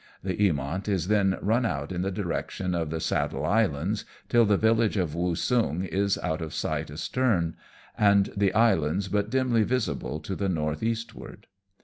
The Eainont is then run out in the direction of the Saddle Islands till the village of Woosung is out of sight astern, and the islands but dimly visible to the north eastward.